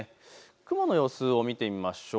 雲の様子を見てみましょう。